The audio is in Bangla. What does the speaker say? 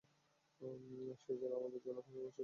সে যেন আমাদের জন্যে অপেক্ষা করছিলো।